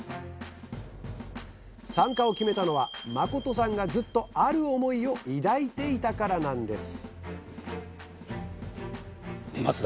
参加を決めたのは誠さんがずっとある思いを抱いていたからなんです